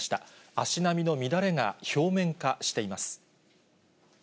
足並みの乱れが表面化しています。